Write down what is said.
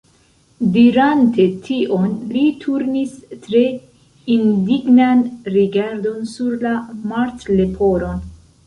Dirante tion li turnis tre indignan rigardon sur la Martleporon.